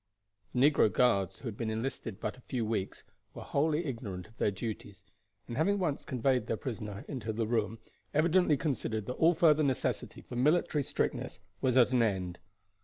The negro guards, who had been enlisted but a few weeks, were wholly ignorant of their duties, and having once conveyed their prisoner into the room, evidently considered that all further necessity for military strictness was at an end.